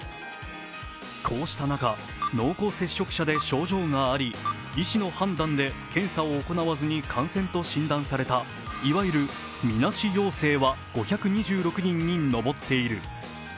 こうした中、濃厚接触者で症状があり、医師の判断で検査を行わずに感染と診断されたいわゆるみなし陽性は５２６人にのぼっている。